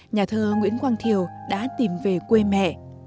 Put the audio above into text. nhà thơ nguyễn quang thiều đã tìm về quê mẹ